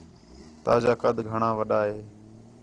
تاجا قد گھݨاں وݙّا ہے